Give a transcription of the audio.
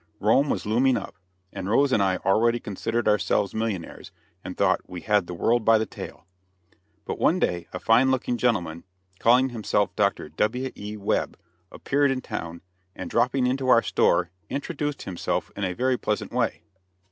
Rome was looming up, and Rose and I already considered ourselves millionaires, and thought we "had the world by the tail." But one day a fine looking gentleman, calling himself Dr. W.E. Webb, appeared in town, and dropping into our store introduced himself in a very pleasant way.